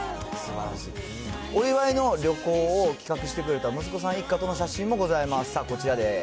お祝いの旅行を企画してくれた息子さん一家との写真もございます。